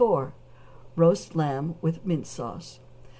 =Roast Lamb with Mint Sauce.